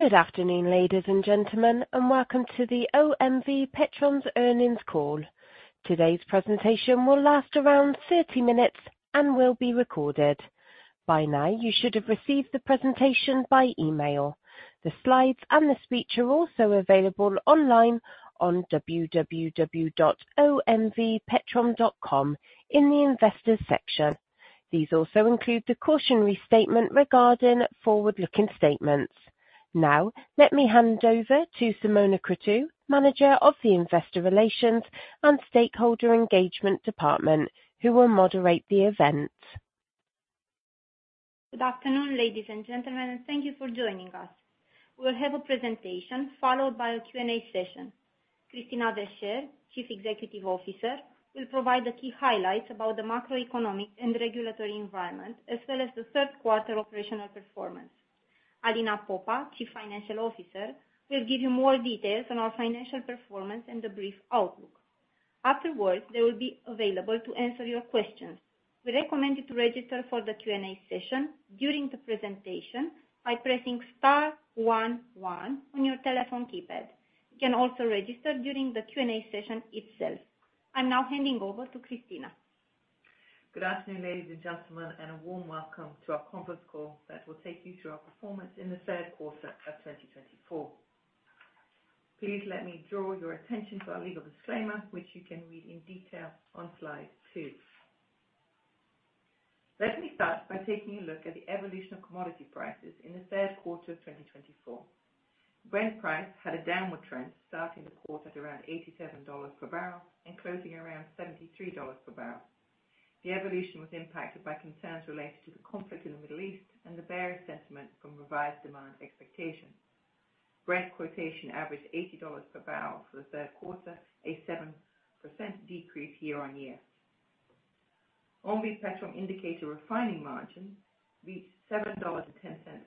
Good afternoon, ladies and gentlemen, and welcome to the OMV Petrom's earnings call. Today's presentation will last around 30 minutes and will be recorded. By now, you should have received the presentation by email. The slides and the speech are also available online on www.omvpetrom.com in the investors' section. These also include the cautionary statement regarding forward-looking statements. Now, let me hand over to Simona Cruțu, Manager of the Investor Relations and Stakeholder Engagement Department, who will moderate the event. Good afternoon, ladies and gentlemen, and thank you for joining us. We'll have a presentation followed by a Q&A session. Christina Verchere, Chief Executive Officer, will provide the key highlights about the macroeconomic and regulatory environment, as well as the third-quarter operational performance. Alina Popa, Chief Financial Officer, will give you more details on our financial performance and the brief outlook. Afterwards, they will be available to answer your questions. We recommend you to register for the Q&A session during the presentation by pressing star one one on your telephone keypad. You can also register during the Q&A session itself. I'm now handing over to Christina. Good afternoon, ladies and gentlemen, and a warm welcome to our conference call that will take you through our performance in the third quarter of 2024. Please let me draw your attention to our legal disclaimer, which you can read in detail on slide two. Let me start by taking a look at the evolution of commodity prices in the third quarter of 2024. Brent price had a downward trend, starting the quarter at around $87 per barrel and closing around $73 per barrel. The evolution was impacted by concerns related to the conflict in the Middle East and the bearish sentiment from revised demand expectations. Brent quotation averaged $80 per barrel for the third quarter, a 7% decrease year-on-year. OMV Petrom indicator refining margins reached $7.10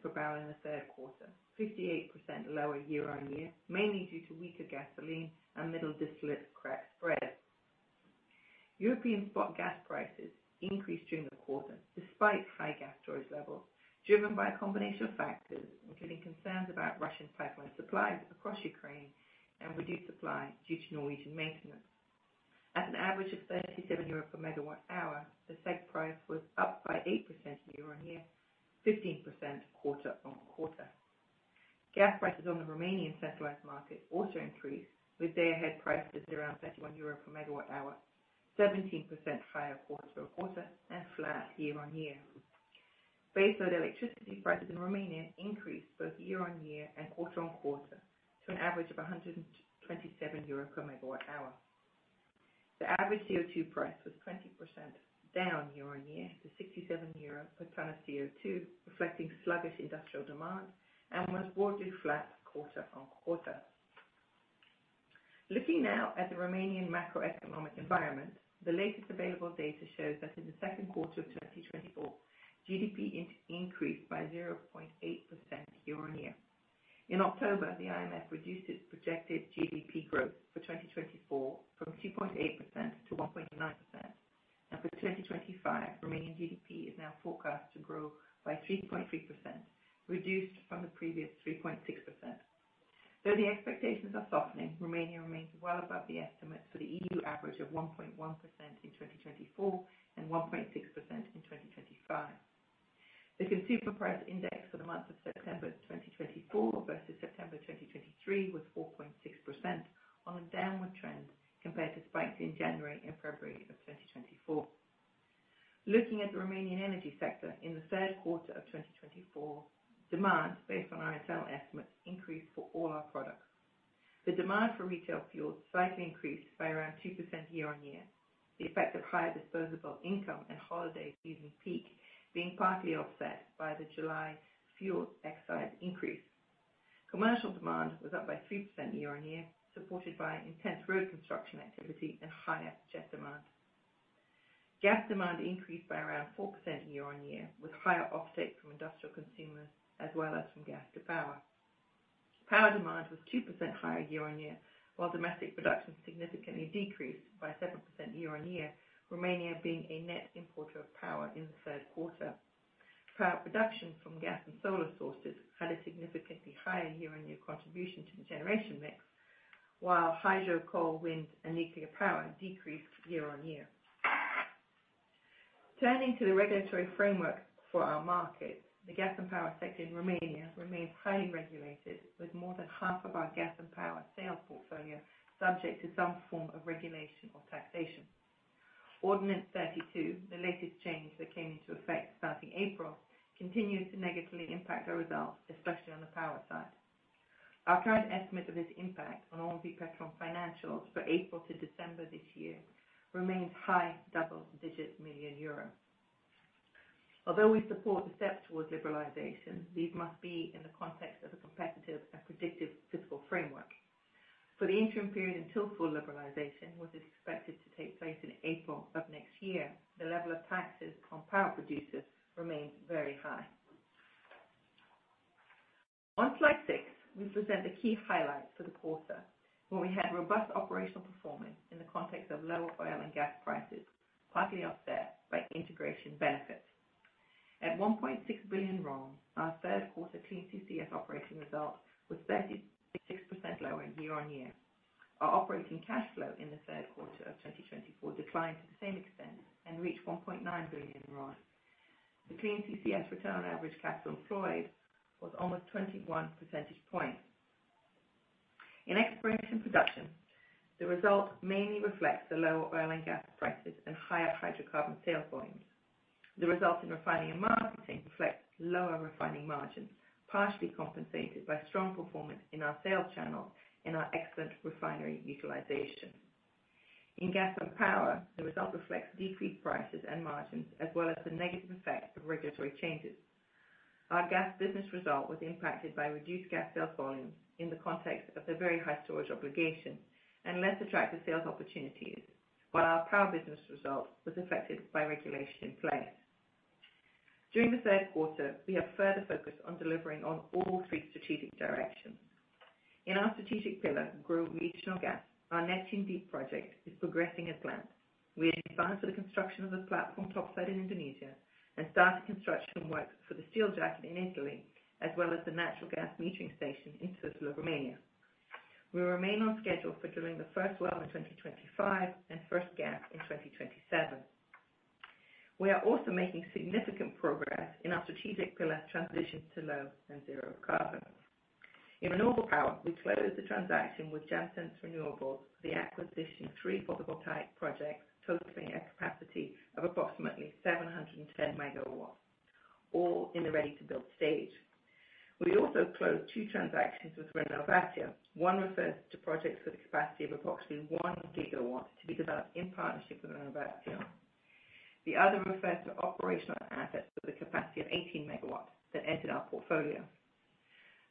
per barrel in the third quarter, 58% lower year-on-year, mainly due to weaker gasoline and middle-distillate crack spread. European spot gas prices increased during the quarter despite high gas storage levels, driven by a combination of factors, including concerns about Russian pipeline supplies across Ukraine and reduced supply due to Norwegian maintenance. At an average of 37 euros per megawatt hour, the CEGH price was up by 8% year-on-year, 15% quarter on quarter. Gas prices on the Romanian centralized market also increased, with their hub prices around 31 euro per megawatt hour, 17% higher quarter on quarter and flat year-on-year. Baseload electricity prices in Romania increased both year-on-year and quarter on quarter to an average of 127 euro per megawatt hour. The average CO2 price was 20% down year-on-year to 67 euro per tonne of CO2, reflecting sluggish industrial demand and, most broadly, flat quarter on quarter. Looking now at the Romanian macroeconomic environment, the latest available data shows that in the second quarter of 2024, GDP increased by 0.8% year-on-year. In October, the IMF reduced its projected GDP growth for 2024 from 2.8% to 1.9%, and for 2025, Romanian GDP is now forecast to grow by 3.3%, reduced from the previous 3.6%. Though the expectations are softening, Romania remains well above the estimates for the EU average of 1.1% in 2024 and 1.6% in 2025. The consumer price index for the month of September 2024 versus September 2023 was 4.6%, on a downward trend compared to spikes in January and February of 2024. Looking at the Romanian energy sector in the third quarter of 2024, demand, based on our internal estimates, increased for all our products. The demand for retail fuels slightly increased by around 2% year-on-year. The effect of higher disposable income and holiday season peak being partly offset by the July fuel excise increase. Commercial demand was up by 3% year-on-year, supported by intense road construction activity and higher jet demand. Gas demand increased by around 4% year-on-year, with higher offtake from industrial consumers as well as from gas to power. Power demand was 2% higher year-on-year, while domestic production significantly decreased by 7% year-on-year, Romania being a net importer of power in the third quarter. Power production from gas and solar sources had a significantly higher year-on-year contribution to the generation mix, while hydro, coal, wind, and nuclear power decreased year-on-year. Turning to the regulatory framework for our markets, the gas and power sector in Romania remains highly regulated, with more than half of our gas and power sales portfolio subject to some form of regulation or taxation. Ordinance 32, the latest change that came into effect starting April, continues to negatively impact our results, especially on the power side. Our current estimate of this impact on OMV Petrom financials for April to December this year remains high double-digit million EUR. Although we support the steps towards liberalization, these must be in the context of a competitive and predictive fiscal framework. For the interim period until full liberalization, which is expected to take place in April of next year, the level of taxes on power producers remains very high. On slide six, we present the key highlights for the quarter, where we had robust operational performance in the context of lower oil and gas prices, partly offset by integration benefits. At 1.6 billion RON, our third-quarter clean CCS operating result was 36% lower year-on-year. Our operating cash flow in the third quarter of 2024 declined to the same extent and reached 1.9 billion RON. The clean CCS return on average capital employed was almost 21 percentage points. In exploration production, the result mainly reflects the lower oil and gas prices and higher hydrocarbon sales volumes. The result in refining and marketing reflects lower refining margins, partially compensated by strong performance in our sales channels and our excellent refinery utilization. In gas and power, the result reflects decreased prices and margins, as well as the negative effect of regulatory changes. Our gas business result was impacted by reduced gas sales volumes in the context of the very high storage obligation and less attractive sales opportunities, while our power business result was affected by regulation in place. During the third quarter, we have further focused on delivering on all three strategic directions. In our strategic pillar, grow regional gas, our Neptun Deep project is progressing as planned. We advance the construction of the platform topsides in Indonesia and started construction work for the steel jacket in Italy, as well as the natural gas metering station in Romania. We remain on schedule for drilling the first well in 2025 and first gas in 2027. We are also making significant progress in our strategic pillar transition to low and zero carbon. In renewable power, we closed the transaction with Jantzen Renewables for the acquisition of three photovoltaic projects, totaling a capacity of approximately 710 megawatts, all in the ready-to-build stage. We also closed two transactions with Renovatio. One refers to projects with a capacity of approximately one gigawatt to be developed in partnership with Renovatio. The other refers to operational assets with a capacity of 18 megawatts that entered our portfolio.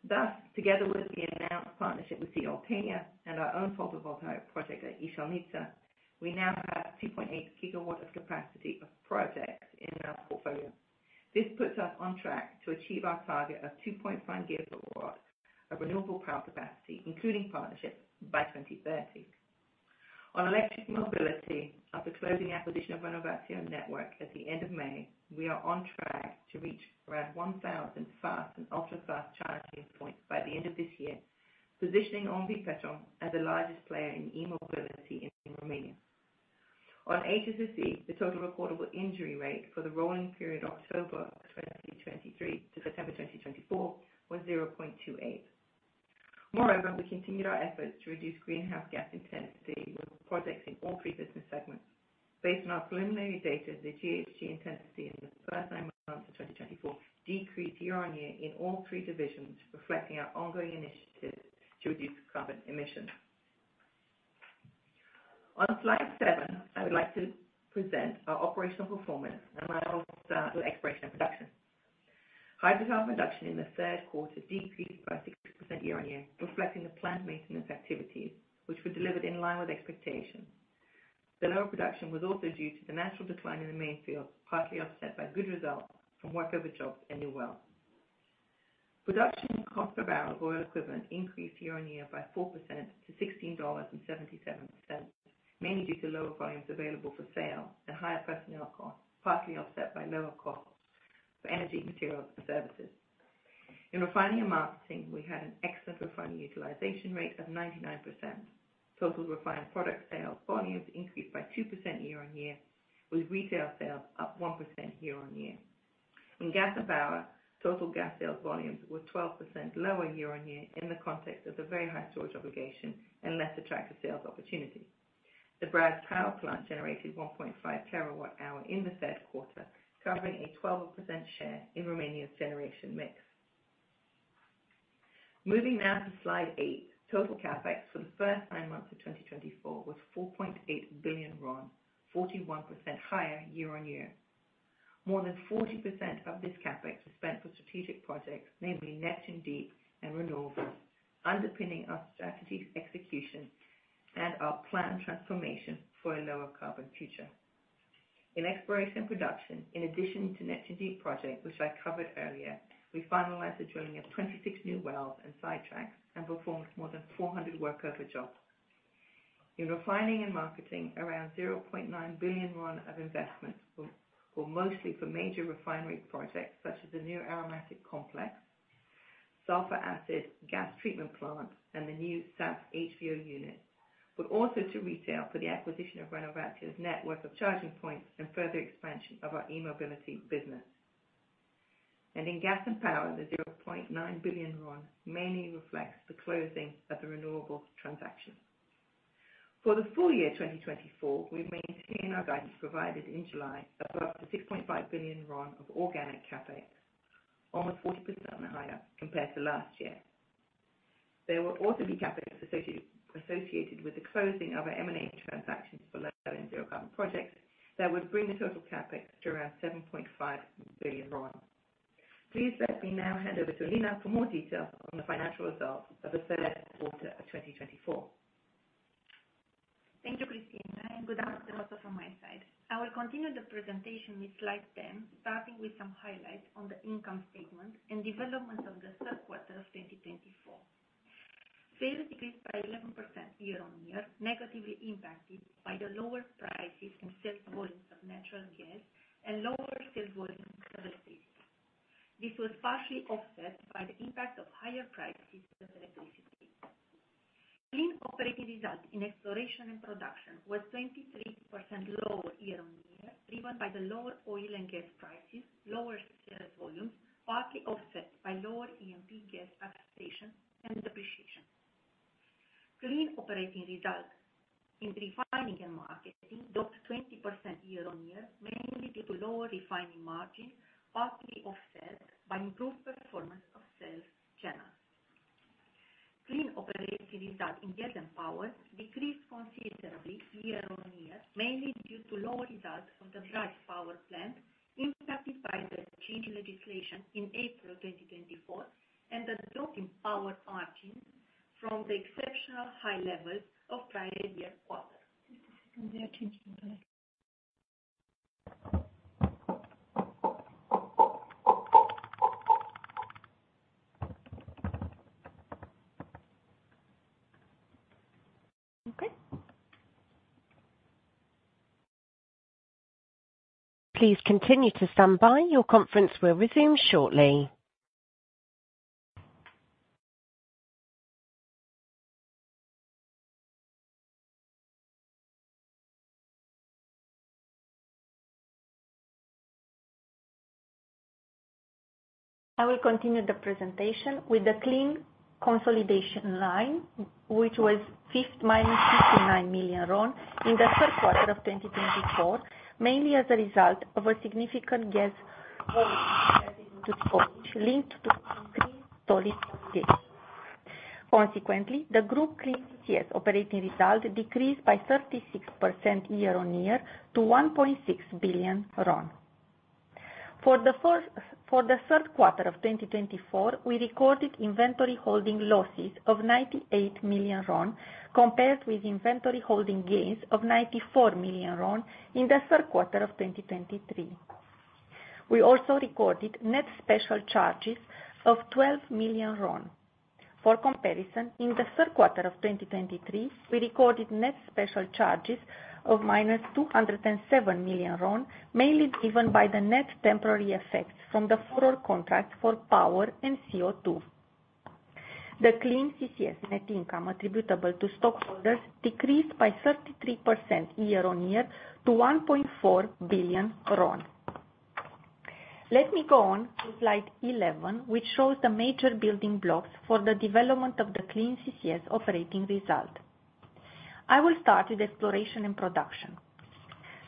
Thus, together with the announced partnership with CE Oltenia and our own photovoltaic project at Ișalnița, we now have 2.8 gigawatts of capacity of projects in our portfolio. This puts us on track to achieve our target of 2.5 gigawatts of renewable power capacity, including partnerships, by 2030. On electric mobility, after closing acquisition of Renovatio network at the end of May, we are on track to reach around 1,000 fast and ultra-fast charging points by the end of this year, positioning OMV Petrom as the largest player in e-mobility in Romania. On HSSE, the total recordable injury rate for the rolling period October 2023 to September 2024 was 0.28. Moreover, we continued our efforts to reduce greenhouse gas intensity with projects in all three business segments. Based on our preliminary data, the GHG intensity in the first nine months of 2024 decreased year-on-year in all three divisions, reflecting our ongoing initiatives to reduce carbon emissions. On slide seven, I would like to present our operational performance, and I'll start with exploration and production. Hydrocarbon production in the third quarter decreased by 6% year-on-year, reflecting the planned maintenance activities, which were delivered in line with expectations. The lower production was also due to the natural decline in the main fields, partly offset by good results from work over jobs and new wells. Production cost per barrel of oil equivalent increased year-on-year by 4% to $16.77, mainly due to lower volumes available for sale and higher personnel costs, partly offset by lower costs for energy, materials, and services. In refining and marketing, we had an excellent refining utilization rate of 99%. Total refined product sales volumes increased by 2% year-on-year, with retail sales up 1% year-on-year. In gas and power, total gas sales volumes were 12% lower year-on-year in the context of the very high storage obligation and less attractive sales opportunity. The Brazi Power Plant generated 1.5 terawatt hours in the third quarter, covering a 12% share in Romania's generation mix. Moving now to slide eight, total CapEx for the first nine months of 2024 was RON 4.8 billion, 41% higher year-on-year. More than 40% of this CapEx was spent for strategic projects, namely Neptun Deep and renewables, underpinning our strategy execution and our planned transformation for a lower carbon future. In exploration and production, in addition to Neptun Deep project, which I covered earlier, we finalized the drilling of 26 new wells and sidetracks and performed more than 400 work over jobs. In refining and marketing, around RON 0.9 billion of investment, mostly for major refinery projects such as the new aromatic complex, sulfuric acid gas treatment plant, and the new SAF HVO unit, but also to retail for the acquisition of Renovatio's network of charging points and further expansion of our e-mobility business, and in gas and power, the RON 0.9 billion mainly reflects the closing of the renewables transaction. For the full year 2024, we maintain our guidance provided in July above the RON 6.5 billion of organic CapEx, almost 40% higher compared to last year. There will also be CapEx associated with the closing of our M&A transactions for low and zero carbon projects that would bring the total CapEx to around RON 7.5 billion. Please let me now hand over to Alina for more details on the financial results of the third quarter of 2024. Thank you, Christina. Good afternoon also from my side. I will continue the presentation with slide 10, starting with some highlights on the income statement and development of the third quarter of 2024. Sales decreased by 11% year-on-year, negatively impacted by the lower prices and sales volumes of natural gas and lower sales volumes of electricity. This was partially offset by the impact of higher prices of electricity. Clean operating result in exploration and production was 23% lower year-on-year, driven by the lower oil and gas prices, lower sales volumes, partly offset by lower E&P gas taxation and depreciation. Clean operating result in refining and marketing dropped 20% year-on-year, mainly due to lower refining margins, partly offset by improved performance of sales channels. Clean operating result in gas and power decreased considerably year-on-year, mainly due to lower results of the Brazi power plant, impacted by the change in legislation in April 2024 and the drop in power margins from the exceptional high levels of prior year quarter. Okay. Please continue to stand by. Your conference will resume shortly. I will continue the presentation with the clean consolidation line, which was 50 minus 59 million RON in the third quarter of 2024, mainly as a result of a significant gas volume linked to increased Solidarity Contribution. Consequently, the group clean CCS operating result decreased by 36% year-on-year to 1.6 billion RON. For the third quarter of 2024, we recorded inventory holding losses of 98 million RON compared with inventory holding gains of 94 million RON in the third quarter of 2023. We also recorded net special charges of 12 million RON. For comparison, in the third quarter of 2023, we recorded net special charges of minus 207 million RON, mainly driven by the net temporary effects from the forward contract for power and CO2. The clean CCS net income attributable to stockholders decreased by 33% year-on-year to 1.4 billion RON. Let me go on to slide 11, which shows the major building blocks for the development of the clean CCS operating result. I will start with exploration and production.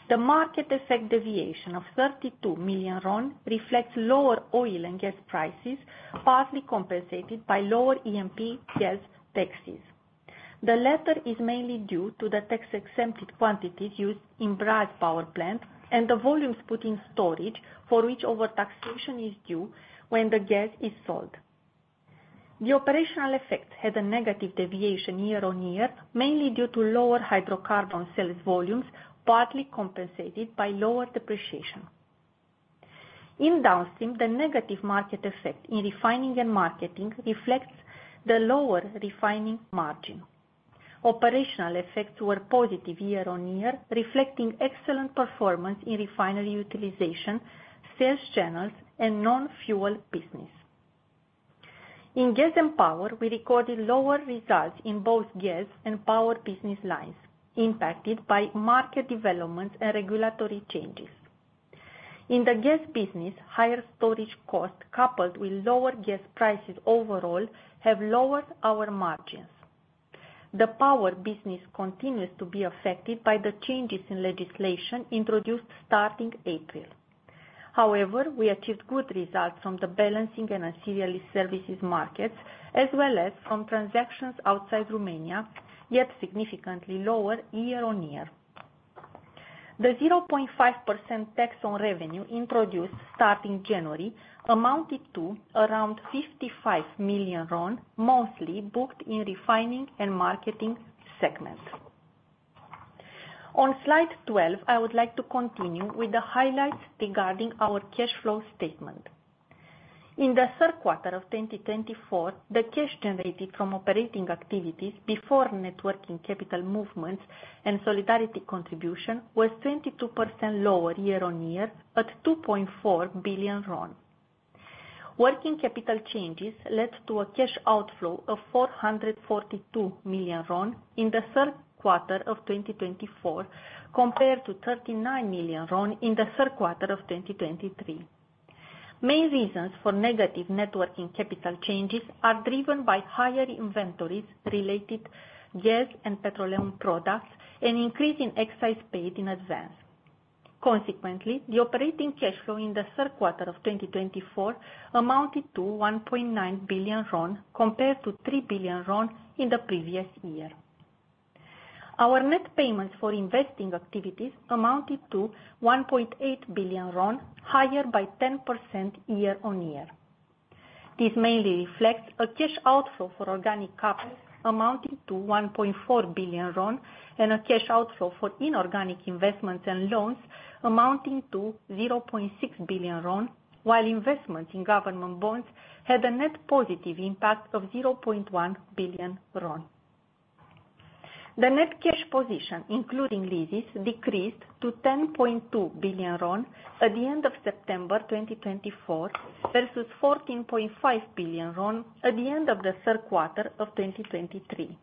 The market effect deviation of 32 million RON reflects lower oil and gas prices, partly compensated by lower E&P gas taxes. The latter is mainly due to the tax-exempted quantities used in Brazi power plant and the volumes put in storage for which overtaxation is due when the gas is sold. The operational effect had a negative deviation year-on-year, mainly due to lower hydrocarbon sales volumes, partly compensated by lower depreciation. In downstream, the negative market effect in refining and marketing reflects the lower refining margin. Operational effects were positive year-on-year, reflecting excellent performance in refinery utilization, sales channels, and non-fuel business. In gas and power, we recorded lower results in both gas and power business lines, impacted by market developments and regulatory changes. In the gas business, higher storage costs coupled with lower gas prices overall have lowered our margins. The power business continues to be affected by the changes in legislation introduced starting April. However, we achieved good results from the balancing and ancillary services markets, as well as from transactions outside Romania, yet significantly lower year-on-year. The 0.5% tax on revenue introduced starting January amounted to around 55 million RON, mostly booked in refining and marketing segment. On slide 12, I would like to continue with the highlights regarding our cash flow statement. In the third quarter of 2024, the cash generated from operating activities before net working capital movements and Solidarity Contribution was 22% lower year-on-year, at 2.4 billion RON. Working capital changes led to a cash outflow of 442 million RON in the third quarter of 2024, compared to 39 million RON in the third quarter of 2023. Main reasons for negative net working capital changes are driven by higher inventories related to gas and petroleum products and increasing excise paid in advance. Consequently, the operating cash flow in the third quarter of 2024 amounted to 1.9 billion RON, compared to 3 billion RON in the previous year. Our net payments for investing activities amounted to 1.8 billion RON, higher by 10% year-on-year. This mainly reflects a cash outflow for organic capex amounting to 1.4 billion RON and a cash outflow for inorganic investments and loans amounting to 0.6 billion RON, while investments in government bonds had a net positive impact of 0.1 billion RON. The net cash position, including leases, decreased to 10.2 billion RON at the end of September 2024 versus 14.5 billion RON at the end of the third quarter of 2023.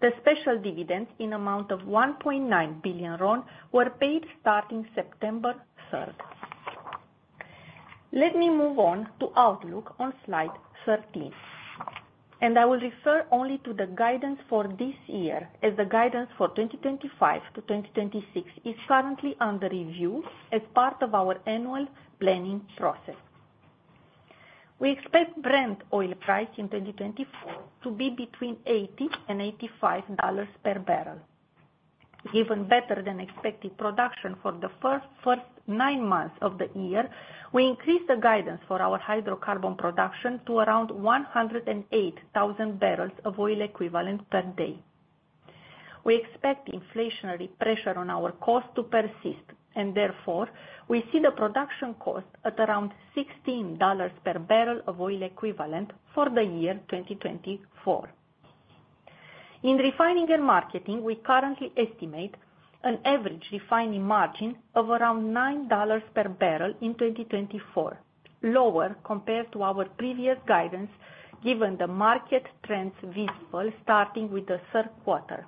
The special dividends in the amount of 1.9 billion RON were paid starting September 3rd. Let me move on to Outlook on slide 13. I will refer only to the guidance for this year, as the guidance for 2025 to 2026 is currently under review as part of our annual planning process. We expect Brent oil price in 2024 to be between $80 and $85 per barrel. Given better-than-expected production for the first nine months of the year, we increased the guidance for our hydrocarbon production to around 108,000 barrels of oil equivalent per day. We expect inflationary pressure on our cost to persist, and therefore, we see the production cost at around $16 per barrel of oil equivalent for the year 2024. In refining and marketing, we currently estimate an average refining margin of around $9 per barrel in 2024, lower compared to our previous guidance given the market trends visible starting with the third quarter.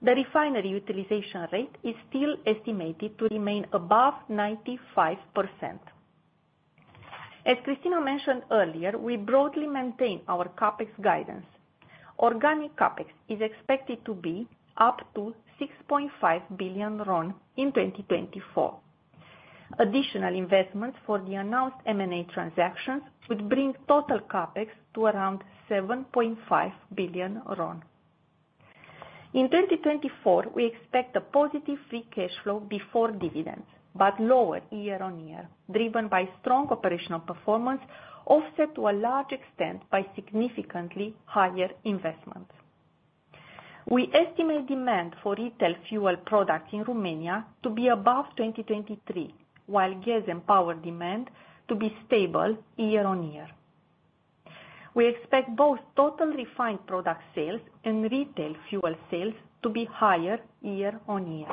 The refinery utilization rate is still estimated to remain above 95%. As Christina mentioned earlier, we broadly maintain our CapEx guidance. Organic CapEx is expected to be up to 6.5 billion RON in 2024. Additional investments for the announced M&A transactions would bring total CapEx to around RON 7.5 billion. In 2024, we expect a positive free cash flow before dividends, but lower year-on-year, driven by strong operational performance offset to a large extent by significantly higher investments. We estimate demand for retail fuel products in Romania to be above 2023, while gas and power demand to be stable year-on-year. We expect both total refined product sales and retail fuel sales to be higher year-on-year.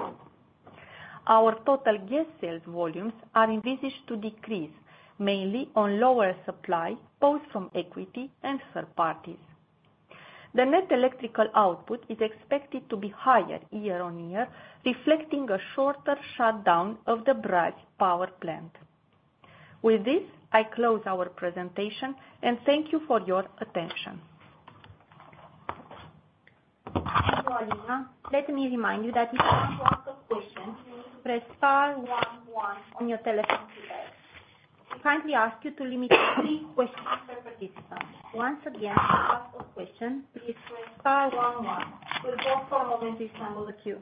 Our total gas sales volumes are expected to decrease, mainly on lower supply both from equity and third parties. The net electrical output is expected to be higher year-on-year, reflecting a shorter shutdown of the Brazi power plant. With this, I close our presentation and thank you for your attention. Thank you, Alina. Let me remind you that if you want to ask a question, you need to press star one one on your telephone today. We kindly ask you to limit to three questions per participant. Once again, to ask a question, please press star one one. We'll go for a moment to reschedule the queue.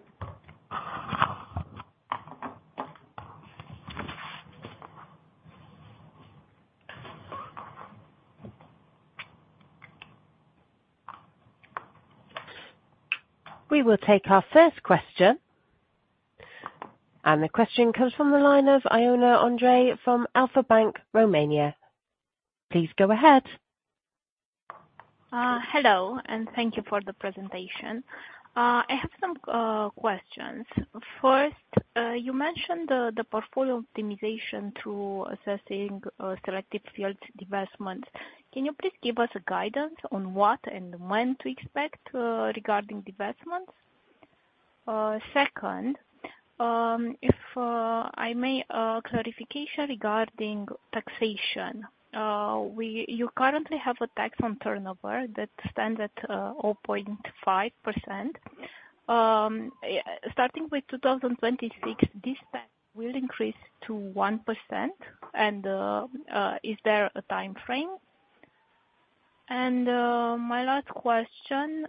We will take our first question. And the question comes from the line of Iuliana Andrei from Alpha Bank Romania. Please go ahead. Hello, and thank you for the presentation. I have some questions. First, you mentioned the portfolio optimization through assessing selective fields' divestments. Can you please give us guidance on what and when to expect regarding divestments? Second, if I may, a clarification regarding taxation. You currently have a tax on turnover that stands at 0.5%. Starting with 2026, this tax will increase to 1%. And is there a time frame? My last question,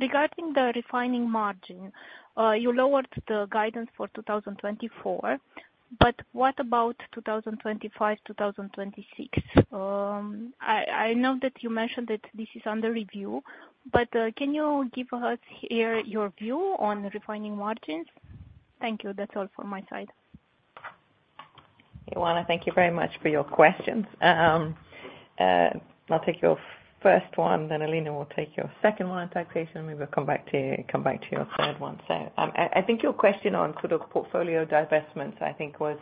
regarding the refining margin, you lowered the guidance for 2024, but what about 2025, 2026? I know that you mentioned that this is under review, but can you give us here your view on refining margins? Thank you. That's all from my side. Alina, thank you very much for your questions. I'll take your first one, then Alina will take your second one on taxation, and we will come back to your third one. So I think your question on sort of portfolio divestments, I think, was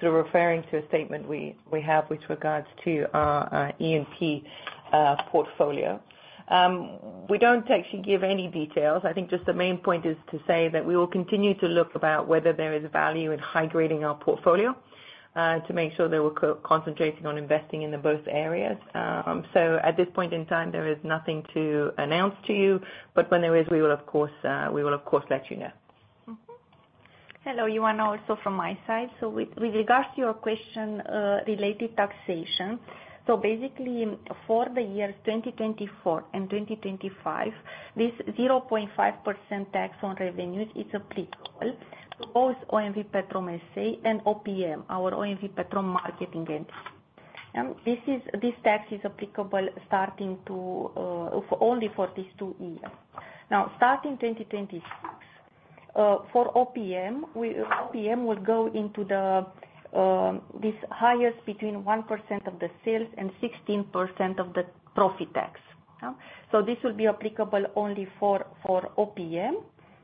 sort of referring to a statement we have with regards to our E&P portfolio. We don't actually give any details. I think just the main point is to say that we will continue to look about whether there is value in high-grading our portfolio to make sure that we're concentrating on investing in both areas. So at this point in time, there is nothing to announce to you, but when there is, we will, of course, let you know. Hello, Iuliana, also from my side. So with regards to your question related to taxation, so basically for the years 2024 and 2025, this 0.5% tax on revenues is applicable to both OMV Petrom SA and OPM, our OMV Petrom marketing entity. This tax is applicable starting to only for this two years. Now, starting 2026, for OPM, OPM will go into this highest between 1% of the sales and 16% of the profit tax. So this will be applicable only for OPM.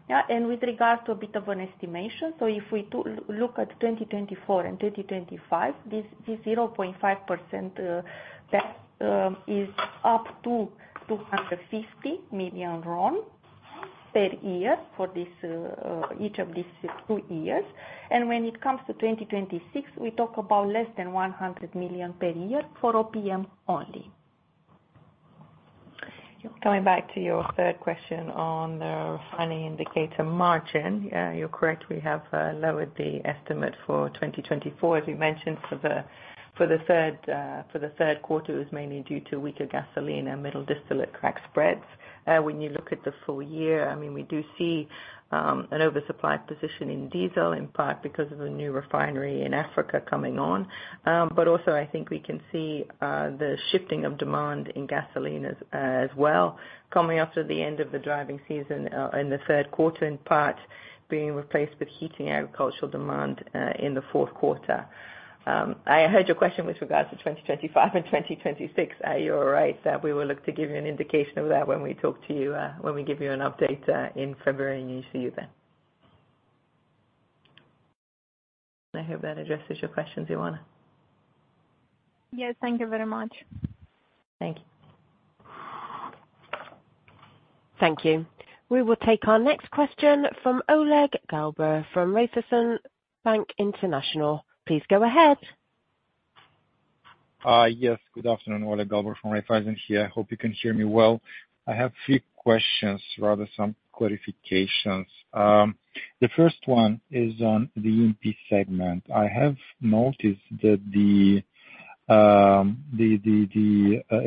And with regards to a bit of an estimation, so if we look at 2024 and 2025, this 0.5% tax is up to RON 250 million per year for each of these two years. When it comes to 2026, we talk about less than 100 million per year for OMV only. Coming back to your third question on the refining indicator margin, you're correct. We have lowered the estimate for 2024, as you mentioned for the third quarter, is mainly due to weaker gasoline and middle distillate crack spreads. When you look at the full year, I mean, we do see an oversupply position in diesel, in part because of a new refinery in Africa coming on. But also, I think we can see the shifting of demand in gasoline as well, coming after the end of the driving season in the third quarter, in part being replaced with heating agricultural demand in the fourth quarter. I heard your question with regards to 2025 and 2026. You're right that we will look to give you an indication of that when we talk to you, when we give you an update in February and you see you then. I hope that addresses your questions, Iuliana. Yes, thank you very much. Thank you. Thank you. We will take our next question from Oleg Galbură from Raiffeisen Bank International. Please go ahead. Yes, good afternoon. Oleg Galbură from Raiffeisen here. I hope you can hear me well. I have three questions, rather some clarifications. The first one is on the E&P segment. I have noticed that the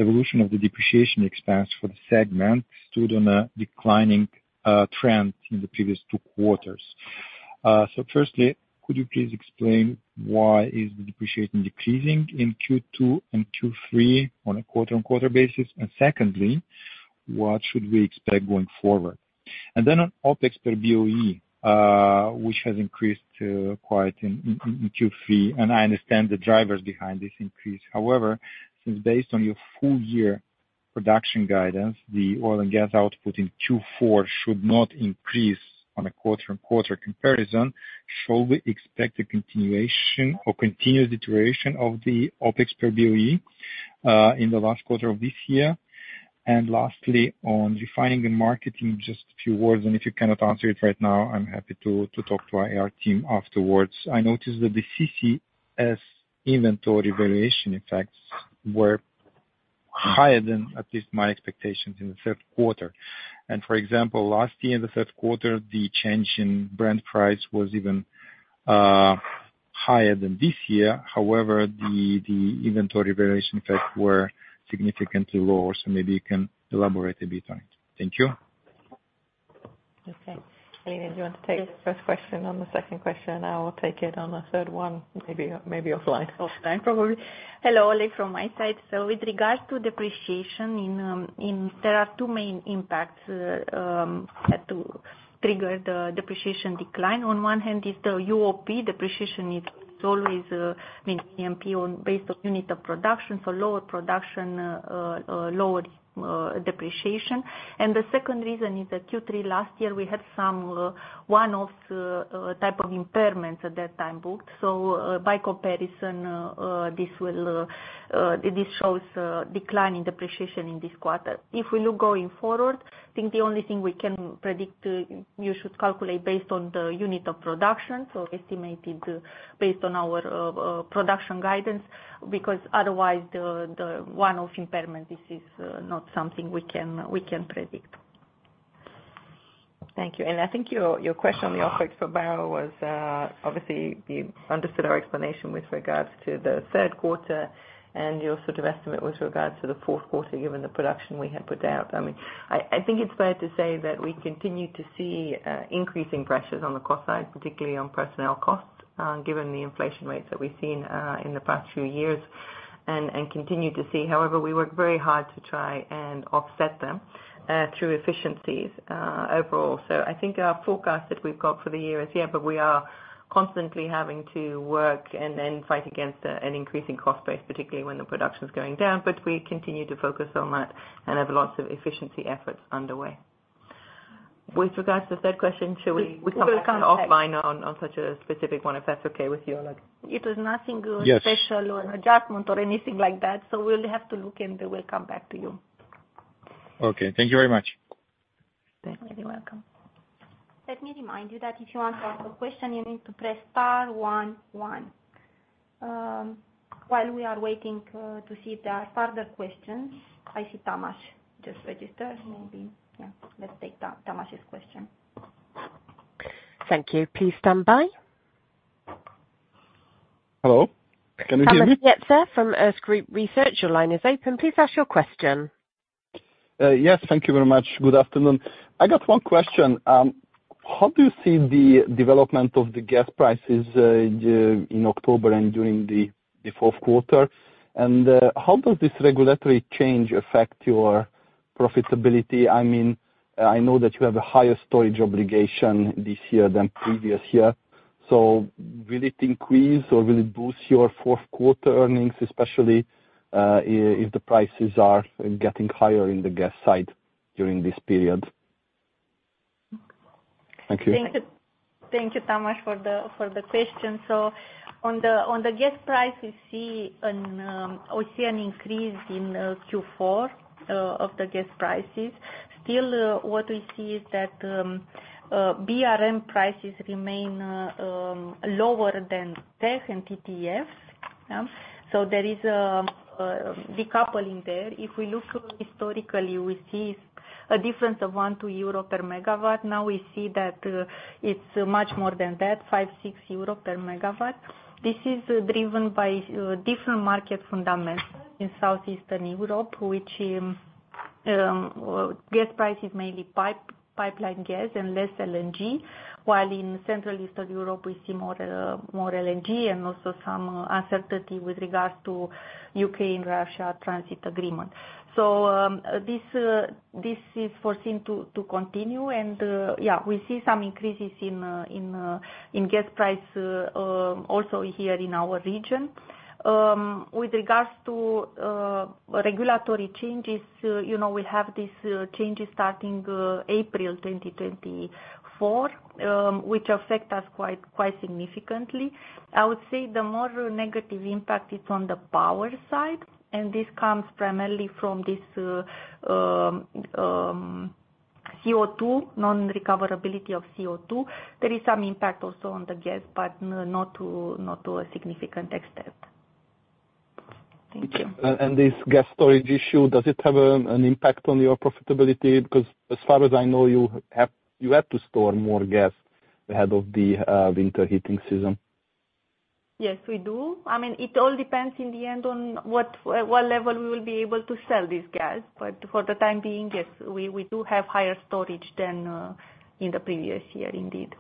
evolution of the depreciation expense for the segment stood on a declining trend in the previous two quarters. So firstly, could you please explain why is the depreciation decreasing in Q2 and Q3 on a quarter-on-quarter basis? And secondly, what should we expect going forward? And then on OpEx per BOE, which has increased quite in Q3, and I understand the drivers behind this increase. However, since based on your full-year production guidance, the oil and gas output in Q4 should not increase on a quarter-on-quarter comparison, shall we expect a continuation or continuous deterioration of the OpEx per BOE in the last quarter of this year? And lastly, on refining and marketing, just a few words, and if you cannot answer it right now, I'm happy to talk to our team afterwards. I noticed that the CCS inventory valuation effects were higher than at least my expectations in the third quarter. And for example, last year in the third quarter, the change in Brent price was even higher than this year. However, the inventory valuation effects were significantly lower. So maybe you can elaborate a bit on it. Thank you. Okay. Alina, do you want to take the first question on the second question? I will take it on the third one, maybe offline. Offline, probably. Hello, Oleg from my side. So with regards to depreciation, there are two main impacts that trigger the depreciation decline. On one hand, it's the UOP depreciation. It's always UOP based on unit of production, so lower production, lower depreciation. And the second reason is Q3 last year, we had some one-off type of impairments at that time booked. So by comparison, this shows a decline in depreciation in this quarter. If we look going forward, I think the only thing we can predict, you should calculate based on the unit of production, so estimated based on our production guidance, because otherwise, the one-off impairment, this is not something we can predict. Thank you. I think your question on the OPEX per barrel was, obviously, you understood our explanation with regards to the third quarter and your sort of estimate with regards to the fourth quarter given the production we had put out. I mean, I think it's fair to say that we continue to see increasing pressures on the cost side, particularly on personnel costs, given the inflation rates that we've seen in the past few years, and continue to see. However, we work very hard to try and offset them through efficiencies overall. I think our forecast that we've got for the year is, yeah, but we are constantly having to work and then fight against an increasing cost base, particularly when the production's going down, but we continue to focus on that and have lots of efficiency efforts underway. With regards to the third question, should we come back to offline on such a specific one if that's okay with you, Oleg? It was nothing special or an adjustment or anything like that. So we'll have to look and we'll come back to you. Okay. Thank you very much. Thank you. You're welcome. Let me remind you that if you want to ask a question, you need to press *11. While we are waiting to see if there are further questions, I see Tamas just registered. Maybe, yeah, let's take Tamas's question. Thank you. Please stand by. Hello? Can you hear me? Tamas Pletser from Erste Group Research, your line is open. Please ask your question. Yes, thank you very much. Good afternoon. I got one question. How do you see the development of the gas prices in October and during the fourth quarter? And how does this regulatory change affect your profitability? I mean, I know that you have a higher storage obligation this year than previous year. So will it increase or will it boost your fourth quarter earnings, especially if the prices are getting higher in the gas side during this period? Thank you. Thank you, Tamas, for the question. So on the gas price, we see an increase in Q4 of the gas prices. Still, what we see is that BRM prices remain lower than CEGH and TTFs. So there is a decoupling there. If we look historically, we see a difference of 1 euro per megawatt. Now we see that it's much more than that, 5-6 euro per megawatt. This is driven by different market fundamentals in Southeastern Europe, which gas price is mainly pipeline gas and less LNG, while in Central Eastern Europe, we see more LNG and also some uncertainty with regards to Ukraine and Russia transit agreement. So this is foreseen to continue. Yeah, we see some increases in gas price also here in our region. With regards to regulatory changes, we have these changes starting April 2024, which affect us quite significantly. I would say the more negative impact is on the power side, and this comes primarily from this CO2 non-recoverability of CO2. There is some impact also on the gas, but not to a significant extent. Thank you. This gas storage issue, does it have an impact on your profitability? Because as far as I know, you had to store more gas ahead of the winter heating season. Yes, we do. I mean, it all depends in the end on what level we will be able to sell this gas. But for the time being, yes, we do have higher storage than in the previous year, indeed.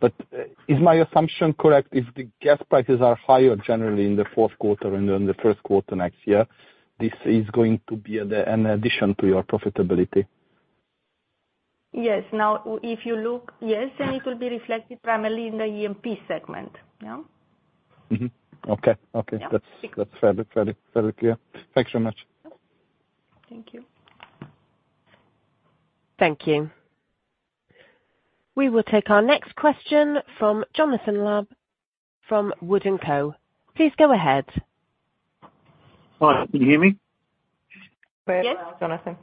But is my assumption correct? If the gas prices are higher generally in the fourth quarter and then the first quarter next year, this is going to be an addition to your profitability? Yes. Now, if you look, yes, and it will be reflected primarily in the E&P segment. Yeah. Okay. Okay. That's fairly clear. Thanks very much. Thank you. Thank you. We will take our next question from Jonathan Lamb from Wood & Co. Please go ahead. Hi. Can you hear me? Yes, Jonathan.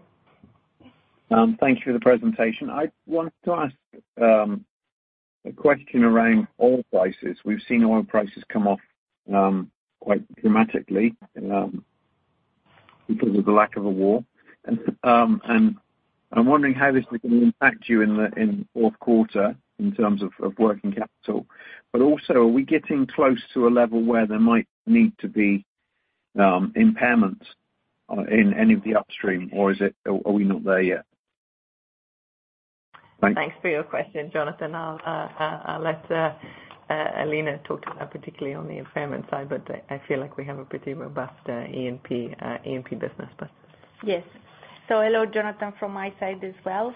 Thank you for the presentation. I want to ask a question around oil prices. We've seen oil prices come off quite dramatically because of the lack of a war. I'm wondering how this is going to impact you in the fourth quarter in terms of working capital. But also, are we getting close to a level where there might need to be impairments in any of the upstream, or are we not there yet? Thanks for your question, Jonathan. I'll let Alina talk to that, particularly on the impairment side, but I feel like we have a pretty robust E&P business. Yes. Hello, Jonathan from my side as well.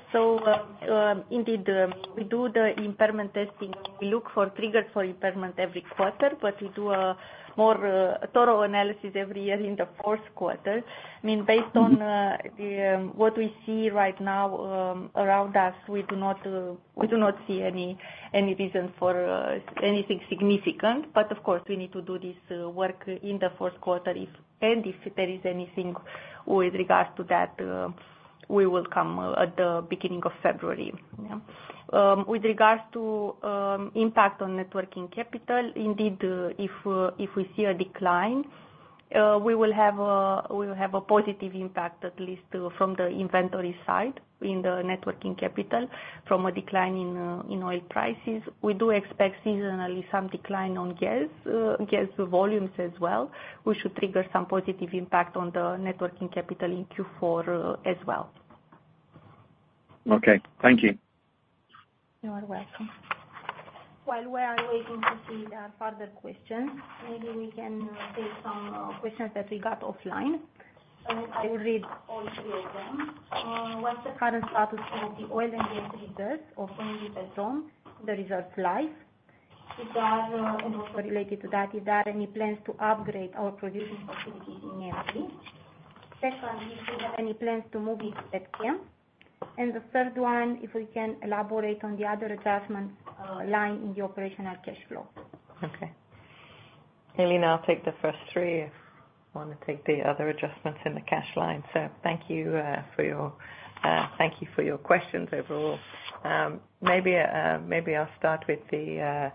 Indeed, we do the impairment testing. We look for triggers for impairment every quarter, but we do a more thorough analysis every year in the fourth quarter. I mean, based on what we see right now around us, we do not see any reason for anything significant. But of course, we need to do this work in the fourth quarter, and if there is anything with regards to that, we will come at the beginning of February. With regards to impact on net working capital, indeed, if we see a decline, we will have a positive impact at least from the inventory side in the net working capital from a decline in oil prices. We do expect seasonally some decline on gas volumes as well, which should trigger some positive impact on the net working capital in Q4 as well. Okay. Thank you. You're welcome. While we are waiting to see further questions, maybe we can take some questions that we got offline. I will read all three of them. What's the current status of the oil and gas reserves of OMV Petrom, the reserves life? Is there any related to that? Is there any plans to upgrade our production facilities in E&P? Second, if we have any plans to move into Petchems? And the third one, if we can elaborate on the other adjustment line in the operational cash flow. Okay. Alina, I'll take the first three if you want to take the other adjustments in the cash line. So thank you for your questions overall. Maybe I'll start with the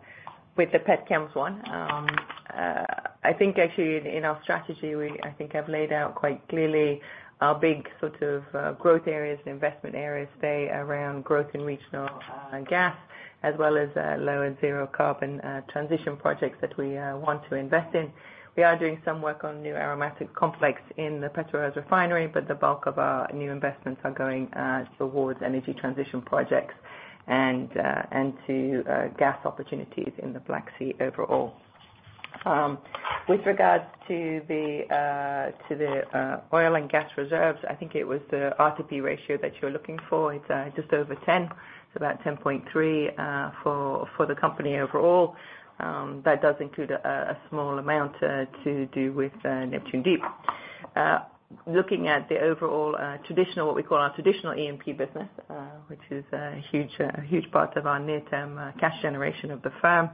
PETCHEMS one. I think actually in our strategy, I think I've laid out quite clearly our big sort of growth areas and investment areas stay around growth in regional gas as well as low and zero carbon transition projects that we want to invest in. We are doing some work on the new Aromatic Complex in the Petrobrazi Refinery, but the bulk of our new investments are going towards energy transition projects and to gas opportunities in the Black Sea overall. With regards to the oil and gas reserves, I think it was the R/P ratio that you're looking for. It's just over 10. It's about 10.3 for the company overall. That does include a small amount to do with Neptun Deep. Looking at the overall traditional, what we call our traditional E&P business, which is a huge part of our near-term cash generation of the firm,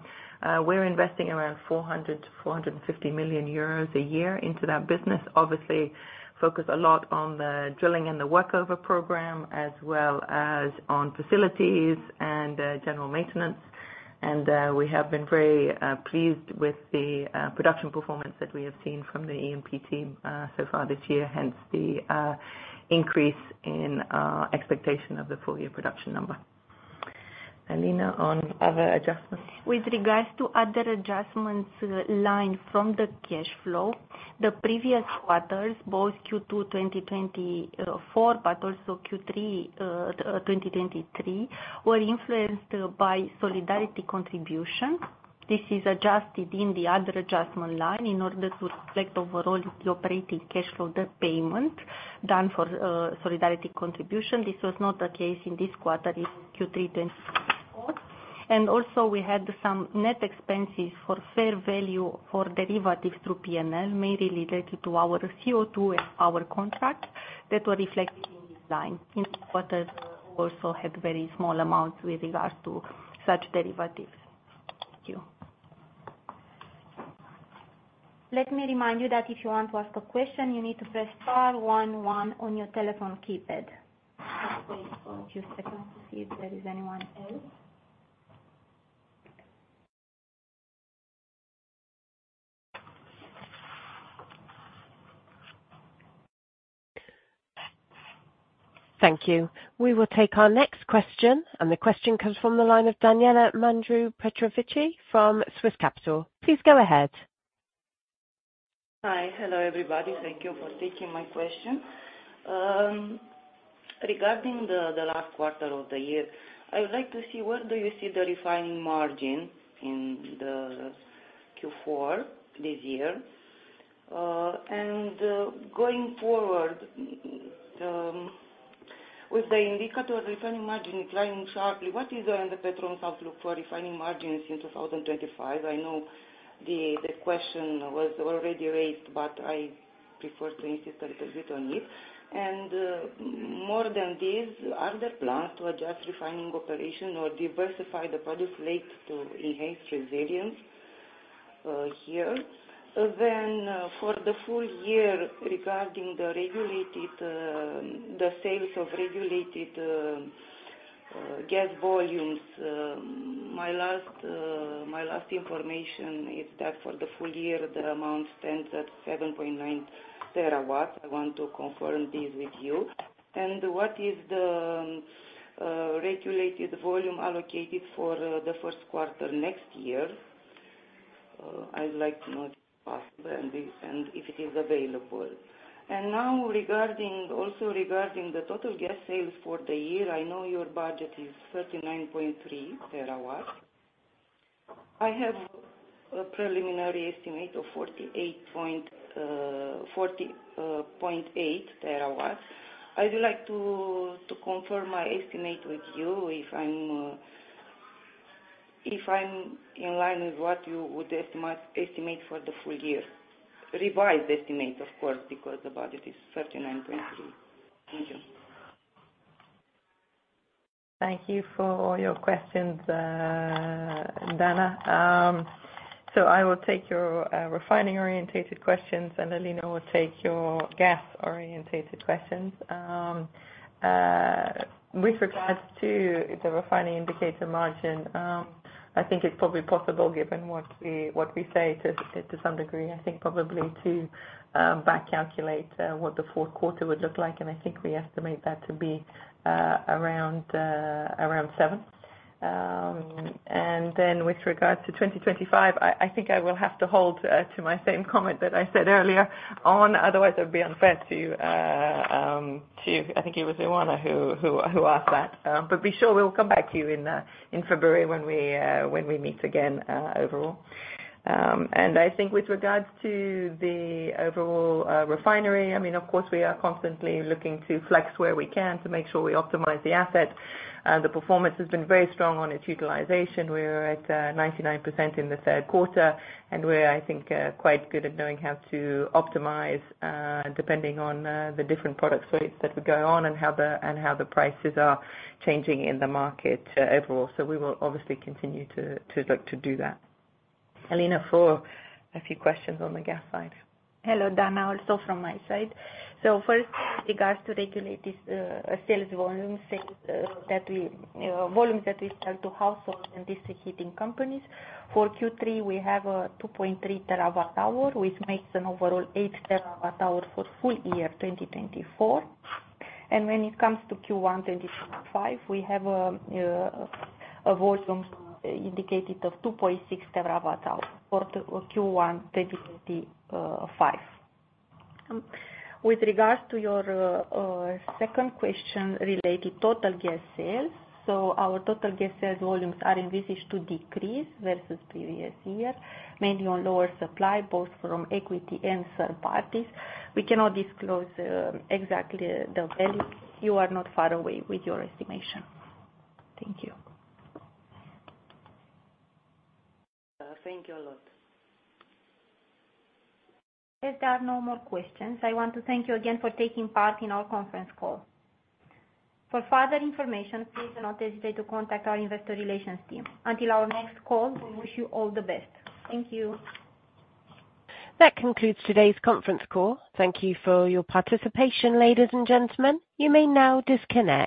we're investing around 400 million-450 million euros a year into that business. Obviously, focus a lot on the drilling and the workover program as well as on facilities and general maintenance. And we have been very pleased with the production performance that we have seen from the E&P team so far this year, hence the increase in expectation of the full-year production number. Alina, on other adjustments? With regards to other adjustments line from the cash flow, the previous quarters, both Q2 2024 but also Q3 2023, were influenced by Solidarity Contribution. This is adjusted in the other adjustment line in order to reflect overall the operating cash flow that payment done for Solidarity Contribution. This was not the case in this quarter in Q3 2024. And also, we had some net expenses for fair value for derivatives through P&L, mainly related to our CO2, our contract that were reflected in this line. In this quarter, we also had very small amounts with regards to such derivatives. Thank you. Let me remind you that if you want to ask a question, you need to press *11 on your telephone keypad. Just wait for a few seconds to see if there is anyone else. Thank you. We will take our next question. And the question comes from the line of Daniela Mândru from Swiss Capital. Please go ahead. Hi. Hello, everybody. Thank you for taking my question. Regarding the last quarter of the year, I would like to see where do you see the refining margin in the Q4 this year. And going forward, with the indicator refining margin declining sharply, what does Petrom see for refining margins in 2025? I know the question was already raised, but I prefer to insist a little bit on it. And more than this, are there plans to adjust refining operation or diversify the project slate to enhance resilience here? Then, for the full year, regarding the sales of regulated gas volumes, my last information is that for the full year, the amount stands at 7.9 terawatts. I want to confirm this with you. And what is the regulated volume allocated for the first quarter next year? I'd like to know if it's possible and if it is available. And now, also regarding the total gas sales for the year, I know your budget is 39.3 terawatts. I have a preliminary estimate of 48.8 terawatts. I'd like to confirm my estimate with you if I'm in line with what you would estimate for the full year. Revised estimate, of course, because the budget is 39.3. Thank you. Thank you for all your questions, Dana. So I will take your refining-oriented questions, and Alina will take your gas-oriented questions. With regards to the refining indicator margin, I think it's probably possible, given what we say, to some degree, I think probably to back-calculate what the fourth quarter would look like, and I think we estimate that to be around 7. Then with regards to 2025, I think I will have to hold to my same comment that I said earlier on. Otherwise, it would be unfair to, I think it was luliana who asked that, but be sure we'll come back to you in February when we meet again overall, and I think with regards to the overall refinery, I mean, of course, we are constantly looking to flex where we can to make sure we optimize the asset. The performance has been very strong on its utilization. We were at 99% in the third quarter, and we're, I think, quite good at knowing how to optimize depending on the different product suites that we go on and how the prices are changing in the market overall. So we will obviously continue to look to do that. Alina, for a few questions on the gas side. Hello, Dana, also from my side. So first, with regards to regulated sales volumes that we sell to households and district heating companies, for Q3, we have 2.3 terawatt-hour, which makes an overall 8 terawatt-hour for full year 2024. When it comes to Q1 2025, we have a volume indicated of 2.6 terawatt-hour for Q1 2025. With regards to your second question related to total gas sales, so our total gas sales volumes are in this quarter decreased versus previous year, mainly on lower supply, both from equity and third parties. We cannot disclose exactly the value. You are not far away with your estimation. Thank you. Thank you a lot. If there are no more questions, I want to thank you again for taking part in our conference call. For further information, please do not hesitate to contact our investor relations team. Until our next call, we wish you all the best. Thank you. That concludes today's conference call. Thank you for your participation, ladies and gentlemen. You may now disconnect.